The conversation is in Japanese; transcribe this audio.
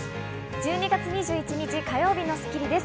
１２月２１日、火曜日の『スッキリ』です。